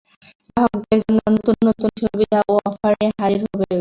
গ্রাহকদের জন্য নতুন নতুন সুবিধা ও অফার নিয়ে হাজির হবে জোভাগো।